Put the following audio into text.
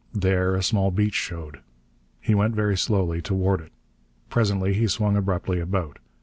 There a small beach showed. He went very slowly toward it. Presently he swung abruptly about.